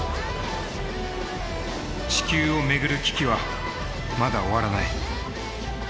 地球を巡る危機はまだ終わらない。